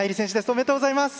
おめでとうございます。